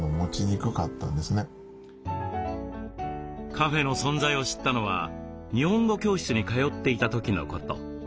カフェの存在を知ったのは日本語教室に通っていた時のこと。